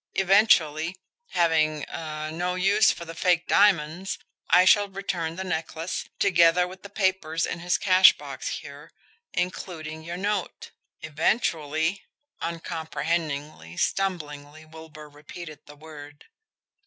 Eventually, having er no use for fake diamonds, I shall return the necklace, together with the papers in his cash box here including your note." "Eventually?" Uncomprehendingly, stumblingly, Wilbur repeated the word.